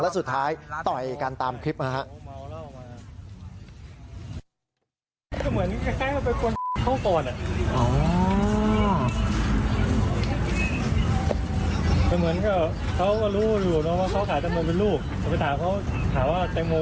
แล้วสุดท้ายต่อยกันตามคลิปนะครับ